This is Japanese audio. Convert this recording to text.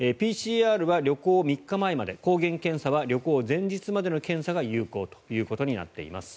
ＰＣＲは旅行３日前まで抗原検査は旅行前日までの検査が有効となっています。